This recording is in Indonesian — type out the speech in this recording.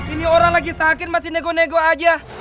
ini orang lagi sakit masih nego nego aja